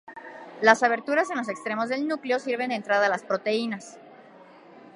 Las aberturas en los extremos del núcleo sirven de entrada a las proteínas.